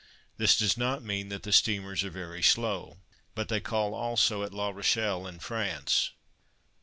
This does not mean that the steamers are very slow, but they call also at La Rochelle, in France.